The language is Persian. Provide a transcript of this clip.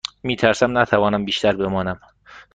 می ترسم نتوانم بیشتر بمانم.